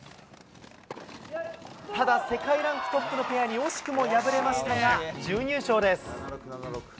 ただ世界ランクトップのペアに惜しくも敗れましたが、準優勝です。